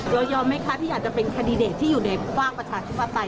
เยอะแยอะไหมคะที่อยากจะเป็นคดีเดชที่อยู่ในภาคประชาชุมภาตราย